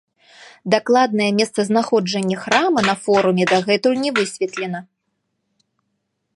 Дакладнае месцазнаходжанне храма на форуме дагэтуль не высветлена.